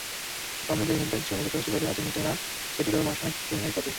Copa America খেলতে জুনে যুক্তরাষ্ট্রে যাবে আর্জেন্টিনা, সেটিরও মাস তিনেক বাকি।